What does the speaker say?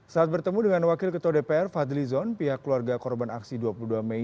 saat bertemu dengan wakil ketua dpr fadli zon pihak keluarga korban aksi dua puluh dua mei